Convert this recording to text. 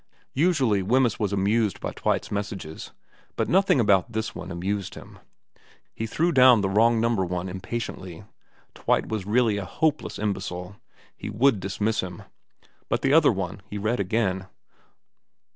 Usually Wemyss was amused by Twite's messages, but nothing about this one amused him. He threw down the wrong number one impatiently, Twite was really a hopeless imbecile ; he would dismiss him ; but the other one he read again.